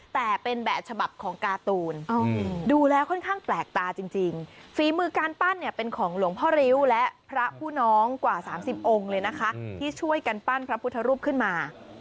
แต่เป็นแบบฉบับของการ์ตูนดูแล้วค่อนข้างแปลกตาจริงฝีมือการปั้นเนี่ยเป็นของหลวงพ่อริ้วและพระผู้น้องกว่า๓๐องค์เลยนะคะที่ช่วยกันปั้นพระพุทธรูปขึ้นมา